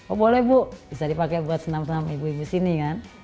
oh boleh bu bisa dipakai buat senam senam ibu ibu sini kan